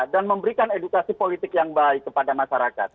dan memberikan edukasi politik yang baik kepada masyarakat